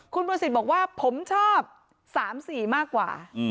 คุณมนศิษย์บอกว่าผมชอบ๓สีมากกว่า